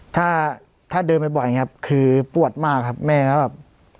ถ้าถ้าเดินบ่อยครับคือปวดมากครับแม่ก็แบบ